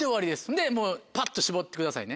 でパッとしぼってくださいね。